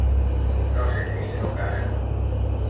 No se le hizo caso.